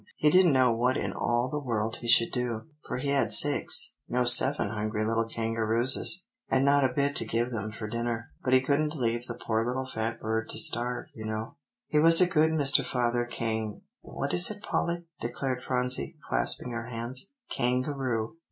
He didn't know what in all the world he should do; for he had six no, seven hungry little kangarooses, and not a bit to give them for dinner. But he couldn't leave the poor little fat bird to starve, you know." "He was a good Mr. Father Kan what is it, Polly?" declared Phronsie, clasping her hands. "Kangaroo.